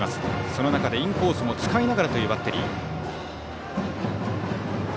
その中でインコースも使いながらというバッテリー。